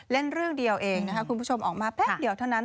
เล่นเรื่องเดียวเองนะคะคุณผู้ชมออกมาแป๊บเดียวเท่านั้น